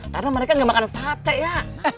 karena mereka gak makan sate ya